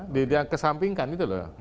di kesampingkan gitu loh